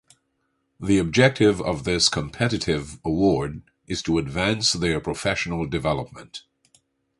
The objective of this competitive award is to advance their professional development.